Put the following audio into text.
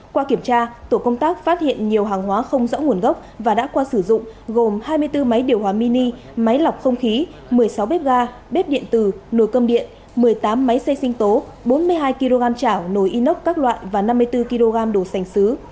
qua kiểm tra tổ công tác phát hiện nhiều hàng hóa không rõ nguồn gốc và đã qua sử dụng gồm hai mươi bốn máy điều hòa mini máy lọc không khí một mươi sáu bếp ga bếp điện tử nồi cơm điện một mươi tám máy xây sinh tố bốn mươi hai kg chảo nồi inox các loại và năm mươi bốn kg đồ sành xứ